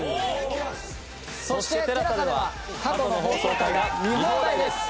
そしてＴＥＬＡＳＡでは過去の放送回が見放題です！